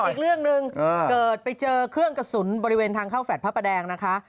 อีกเรื่องหนึ่งเกิดไปเจอเครื่องกระสุนบริเวณทางเข้าแฟลตพระประแดงนะคะ